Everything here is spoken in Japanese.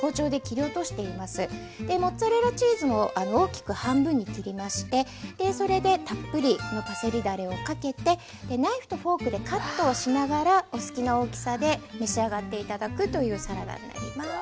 モッツァレラチーズも大きく半分に切りましてそれでたっぷりのパセリだれをかけてナイフとフォークでカットをしながらお好きな大きさで召し上がって頂くというサラダになります。